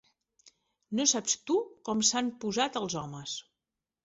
No saps tu com s'han posat els homes.